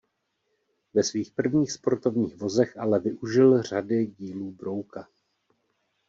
Ve svých prvních sportovních vozech ale využil řady dílů Brouka.